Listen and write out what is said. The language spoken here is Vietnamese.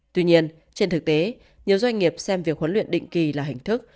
tuy nhiên trên thực tế nhiều doanh nghiệp xem việc huấn luyện định kỳ là hình thức